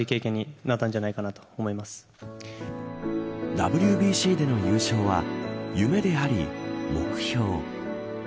ＷＢＣでの優勝は夢であり目標。